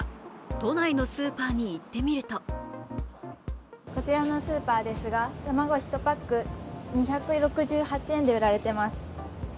都内のスーパーに行ってみるとこちらのスーパーですが、卵１パック２６８円で売られています。